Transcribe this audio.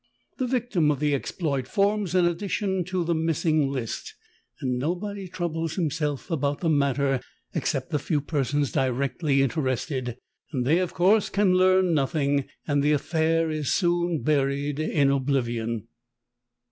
The vic tim of the exploit forms an addition to the miss ing list, and nobody troubles himself about the matter except the few persons directly interested. They of course can learn nothing, and the affair is soon buried in oblivion.